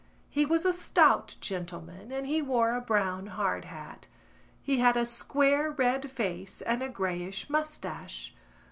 He was a stout gentleman and he wore a brown hard hat; he had a square red face and a greyish moustache.